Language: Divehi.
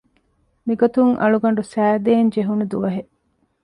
މިގޮތުން އަޅުގަނޑު ސައިދޭންޖެހުނު ދުވަހެއް